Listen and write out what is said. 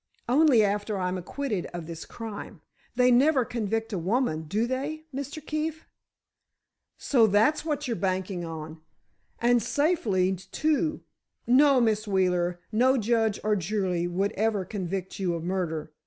"Only after I'm acquitted of this crime. They never convict a woman, do they, Mr. Keefe?" "So that's what you're banking on! And safely, too. No, Miss Wheeler, no judge or jury would ever convict you of murder.